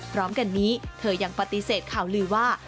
พร้อมกันนี้เธอยังปฏิเสธข่าวลือว่า